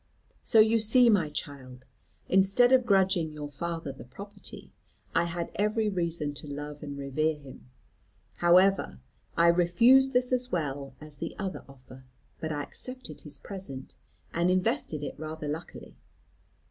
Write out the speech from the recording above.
"So you see, my child, instead of grudging your father the property, I had every reason to love and revere him. However, I refused this as well as the other offer; but I accepted his present, and invested it rather luckily.